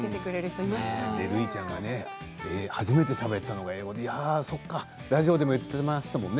るいちゃんが初めてしゃべったのは英語でラジオでも言っていましたもんね